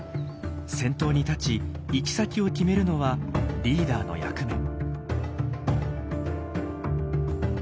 先頭に立ち行き先を決めるのはリーダーの役目。